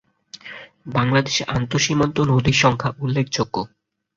বাংলাদেশে আন্তঃসীমান্ত নদীর সংখ্যা উল্লেখযোগ্য।